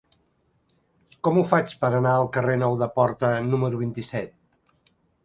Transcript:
Com ho faig per anar al carrer Nou de Porta número vint-i-set?